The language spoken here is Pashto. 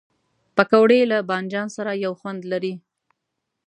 پکورې له بادنجان سره یو خوند لري